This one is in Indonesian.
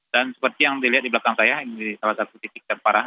dan seperti yang dilihat di belakang saya ini salah satu titik terparah